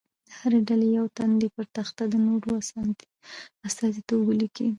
د هرې ډلې یو تن دې پر تخته د نورو په استازیتوب ولیکي.